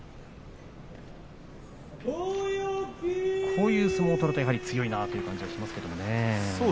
こういう相撲を取ると強いなという気がしますね。